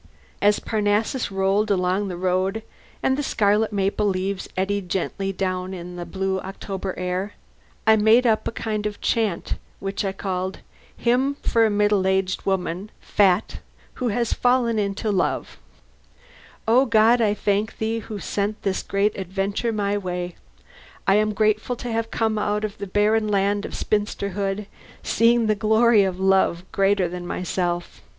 As Parnassus rolled along the road, and the scarlet maple leaves eddied gently down in the blue October air, I made up a kind of chant which I called Hymn for a Middle Aged Woman (Fat) Who Has Fallen into Love O God, I thank Thee who sent this great adventure my way! I am grateful to have come out of the barren land of spinsterhood, seeing the glory of a love greater than myself.